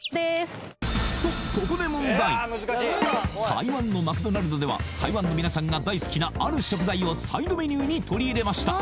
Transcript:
台湾のマクドナルドでは台湾のみなさんが大好きなある食材をサイドメニューに取り入れました